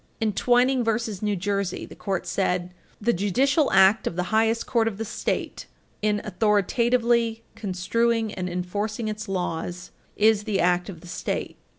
In Twining v. New Jersey, 211 U. S. 78, 211 U. S. 90 91 (1908), the Court said: "The judicial act of the highest court of the State, in authoritatively construing and enforcing its laws, is the act of the State."